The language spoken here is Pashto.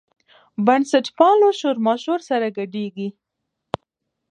بنسټپالو شورماشور سره ګډېږي.